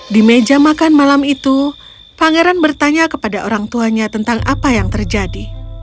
di meja makan malam itu pangeran bertanya kepada orang tuanya tentang apa yang terjadi